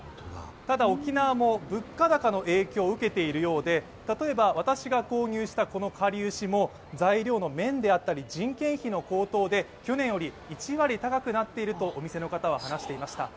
ただ沖縄も物価高の影響を受けているようで例えば私が購入した、このかりゆしも材料の綿であったり人件費の高騰で去年より１割高くなっているとお店の方は話していました。